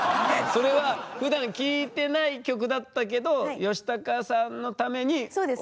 それはふだん聴いてない曲だったけどヨシタカさんのために覚えたんです？